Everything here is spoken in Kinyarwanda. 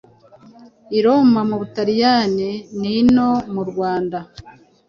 i Roma mu Butaliyani, n’ino mu Rwanda.